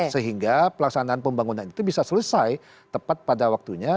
sehingga pelaksanaan pembangunan itu bisa selesai tepat pada waktunya